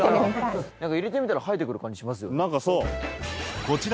入れてみたら生えて来る感じしますよね。